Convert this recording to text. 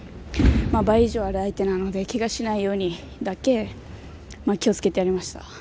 まあ倍以上ある相手なのでけがしないようにだけ気をつけてやりました。